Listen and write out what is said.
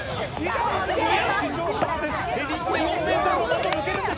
史上初です。